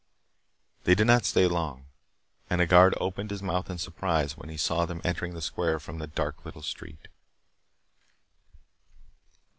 They did not stay long. And a guard opened his mouth in surprise when he saw them entering the square from the dark, little street.